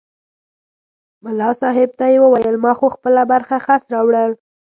ملا صاحب ته یې وویل ما خو خپله برخه خس راوړل.